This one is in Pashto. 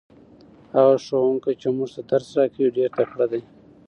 هغه ښوونکی چې موږ ته درس راکوي ډېر تکړه دی.